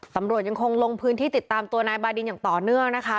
ตำรวจยังคงลงพื้นที่ติดตามตัวนายบาดินอย่างต่อเนื่องนะคะ